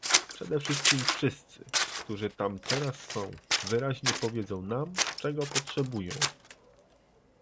Przede wszystkim wszyscy, którzy tam teraz są, wyraźnie powiedzą nam, czego potrzebują